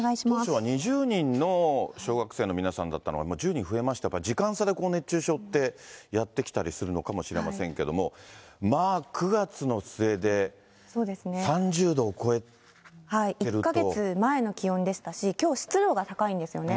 ２０人の小学生の皆さんだったのが１０人増えまして、時間差で熱中症ってやって来たりするのかもしれませんけれども、まあ、１か月前の気温でしたし、きょう、湿度が高いんですよね。